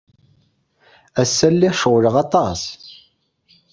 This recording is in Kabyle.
Ass-a, lliɣ ceɣleɣ aṭas.